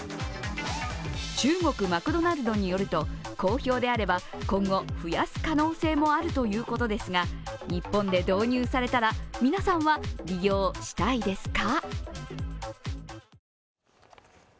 中国マクドナルドによると、好評であれば今後、増やす可能性もあるということですが日本で導入されたら皆さんは利用したいですか？